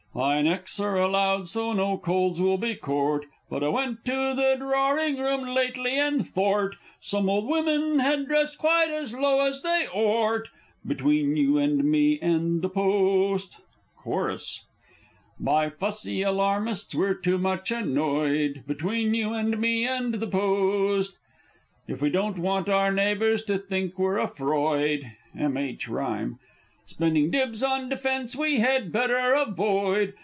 High necks are allowed, so no colds will be cort, But I went to the droring room lately, and thort Some old wimmen had dressed quite as low as they ort! Between you and me and the Post! (Chorus.) By fussy alarmists we're too much annoyed, Between you and me and the Post! If we don't want our neighbours to think we're afroid, [M. H. rhyme. Spending dibs on defence we had better avoid.